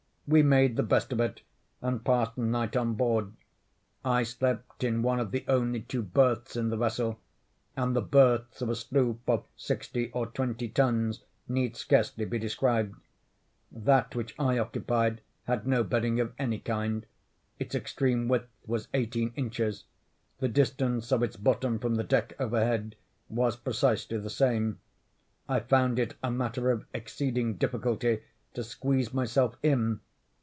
We made the best of it, and passed the night on board. I slept in one of the only two berths in the vessel—and the berths of a sloop of sixty or twenty tons need scarcely be described. That which I occupied had no bedding of any kind. Its extreme width was eighteen inches. The distance of its bottom from the deck overhead was precisely the same. I found it a matter of exceeding difficulty to squeeze myself in.